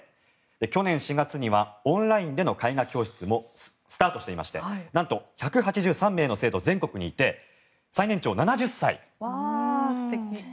去年４月にはオンラインでの絵画教室もスタートしていましてなんと、１８３名の生徒が全国にいて素敵。